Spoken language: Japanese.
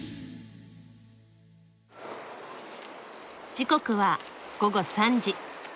時刻は午後３時。